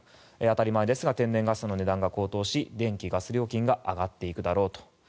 当たり前ですが天然ガスの値段が高騰し電気・ガス料金が上がっていくだろうと。